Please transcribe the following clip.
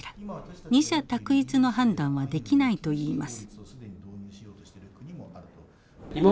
二者択一の判断はできないといいます。